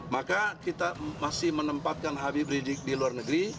maka kita masih menempatkan habib rizik di luar negeri